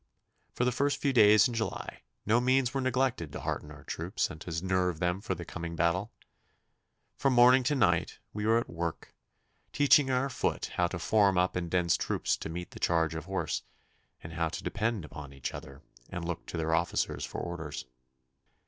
For the first few days in July no means were neglected to hearten our troops and to nerve them for the coming battle. From morning to night we were at work, teaching our foot how to form up in dense groups to meet the charge of horse, and how to depend upon each other, and look to their officers for orders.